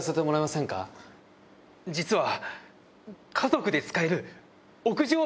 実は。